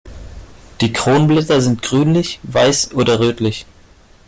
Die Kronblätter sind grünlich, weiß oder rötlich.